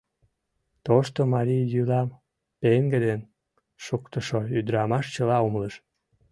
Тошто марий йӱлам пеҥгыдын шуктышо ӱдырамаш чыла умылыш.